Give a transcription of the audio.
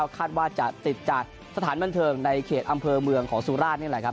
คาดว่าจะติดจากสถานบันเทิงในเขตอำเภอเมืองของสุราชนี่แหละครับ